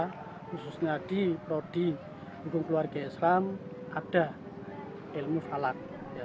khususnya di prodi hukum keluarga islam ada ilmu falak